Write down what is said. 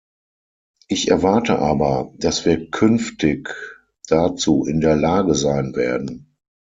Ich erwarte aber, dass wir künftig dazu in der Lage sein werden.